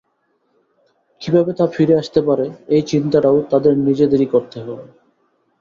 কীভাবে তা ফিরে আসতে পারে, এই চিন্তাটাও তাদের নিজেদেরই করতে হবে।